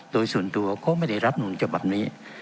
โดยส่วนตัวก็ไม่ได้รับอุจจับแบบนี้